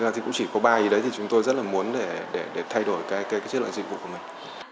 vì vậy thì cũng chỉ có ba gì đấy thì chúng tôi rất là muốn để thay đổi cái chất lượng dịch vụ của mình